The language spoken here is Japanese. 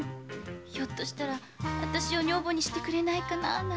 ひょっとしたら私を女房にしてくれないかなあって。